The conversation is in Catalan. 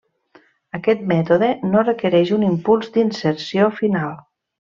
Aquest mètode no requereix un impuls d'inserció final.